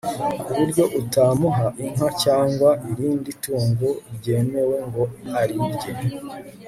ku buryo utamuha inka cyangwa irindi tungo ryemewe ngo arirye